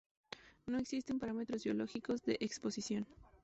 No existen parámetros biológicos de exposición.